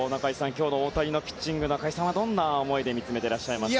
今日の大谷のピッチングは中居さんはどんな思いで見つめていらっしゃいますか？